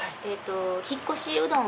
引っ越しうどん？